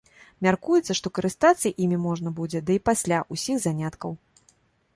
Мяркуецца, што карыстацца імі можна будзе да і пасля ўсіх заняткаў.